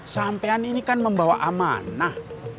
sampean ini kan membawa amanah